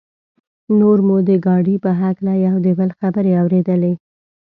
نور مو د ګاډي په هکله یو د بل خبرې اورېدلې.